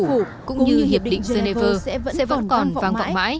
cũng như hiệp định geneva sẽ vẫn còn vang vọng mãi